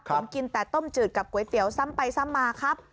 ผมกินแต่ต้มจืดกับก๋วยเตี๋ยวซ้ำไปซ้ำมาครับ